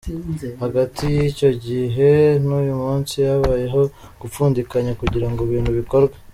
Hagati y’icyo gihe n’uyu munsi, habayeho gupfundikanya kugira ngo ibintu bikorwe.